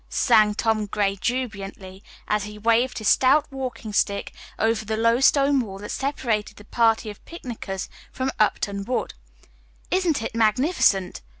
'" sang Tom Gray jubilantly, as he waved his stout walking stick over the low stone wall that separated the party of picnickers from Upton Wood. "Isn't it magnificent?"